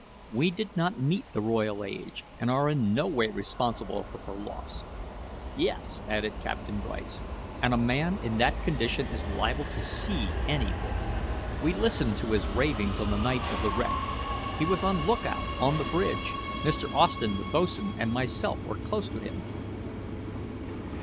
We did not meet the Royal Age and are in no way responsible for her loss." "Yes," added Captain Bryce, "and a man in that condition is liable to see anything. We listened to his ravings on the night of the wreck. He was on lookout on the bridge. Mr. Austen, the boats'n, and myself were close to him."